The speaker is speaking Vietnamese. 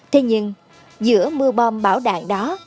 thế nhưng giữa mưa bom bão đạn đó